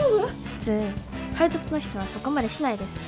普通配達の人はそこまでしないです。